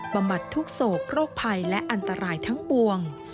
บำบัดทุกโศกโรคภัยและอันตรายทั้งปวง